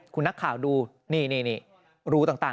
คุณนักข่าวดูนี่รูต่าง